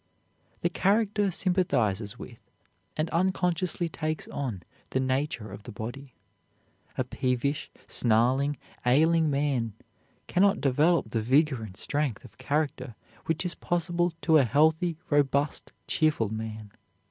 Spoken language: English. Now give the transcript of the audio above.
The character sympathizes with and unconsciously takes on the nature of the body. A peevish, snarling, ailing man can not develop the vigor and strength of character which is possible to a healthy, robust, cheerful man.